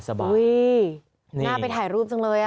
น่าไปถ่ายรูปจังเลย